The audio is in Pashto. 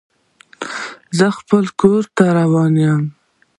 زه خپل کور ته روان یم.